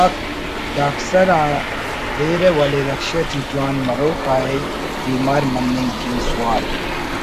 آک) ڈاکسر آ دیرہ ولے رکشہ ٹی جوان مروک آ ءِ بیمار مننگ کن سوار